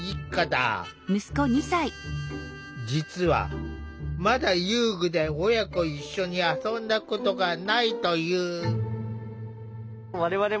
実はまだ遊具で親子一緒に遊んだことがないという。